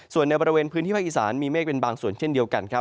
ส่วนในบริเวณพื้นที่ภาคอีสานมีเมฆเป็นบางส่วนเช่นเดียวกันครับ